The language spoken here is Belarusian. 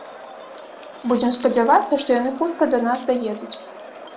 Будзем спадзявацца, што яны хутка да нас даедуць.